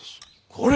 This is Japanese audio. これ！